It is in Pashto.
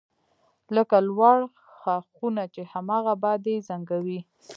لکه لوړ ښاخونه چې هماغه باد یې زنګوي